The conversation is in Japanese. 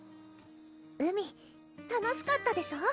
海楽しかったでしょ？